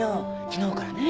昨日からね。